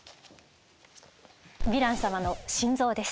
ヴィラン様の心臓です。